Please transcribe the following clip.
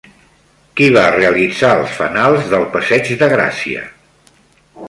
Qui va realitzar els fanals del Passeig de Gràcia?